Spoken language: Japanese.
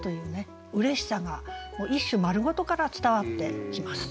嬉しさが一首丸ごとから伝わってきます。